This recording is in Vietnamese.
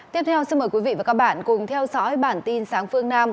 tiếp theo xin mời quý vị và các bạn cùng theo dõi bản tin sáng phương nam